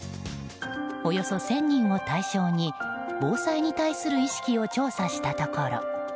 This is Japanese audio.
およそ１０００人を対象に防災に対する意識を調査したところ